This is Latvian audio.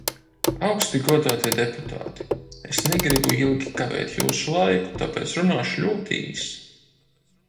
Augsti godātie deputāti, es negribu ilgi kavēt jūsu laiku, tāpēc runāšu ļoti īsi.